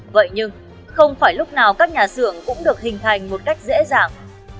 vậy nhưng không phải lúc nào các nhà xưởng cũng được hình thành một cách dễ dàng